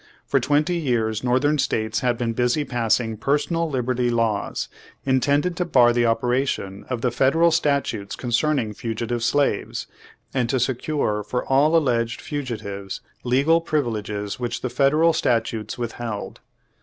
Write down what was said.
For twenty years northern States had been busy passing 'personal libei'ty' laws, intended to bar the operation of the federal statutes concerning fugitive slaves, and to secure for all alleged fugitives legal privileges which the federal statutes withheld.